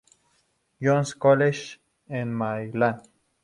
John's College en Maryland.